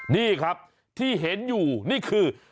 นี่ครับที่เห็นอยู่นี่คือ